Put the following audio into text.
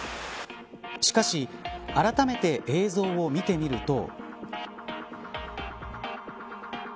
しかしあらためて映像を見てみると。